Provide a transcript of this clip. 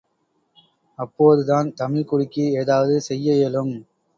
அப்போதுதான் தமிழ்க் குடிக்கு ஏதாவது செய்ய இயலும்!